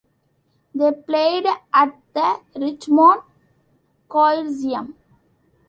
They played at the Richmond Coliseum.